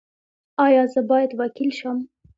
ایا زه باید وکیل شم؟